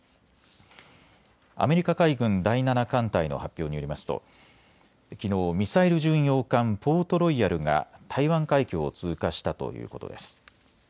アメリカ海軍第７艦隊の発表によりますときのうミサイル巡洋艦、ポートロイヤルが台湾海峡を通過したということです。